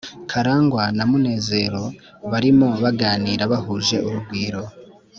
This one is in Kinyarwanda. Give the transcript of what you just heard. karangwa na munezero barimo baganira bahuje urugwiro.